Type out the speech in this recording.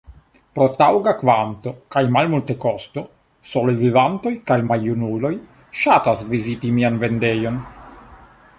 Pro taŭga kvanto kaj malmultekosto solevivantoj kaj maljunuloj ŝatas viziti mian vendejon.